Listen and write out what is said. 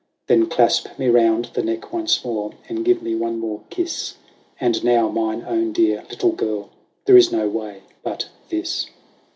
Then clasp me round the neck once more, and give me one more kiss ; And now, mine own dear little girl, there is no way but this."